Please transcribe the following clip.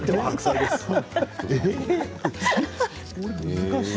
難しい。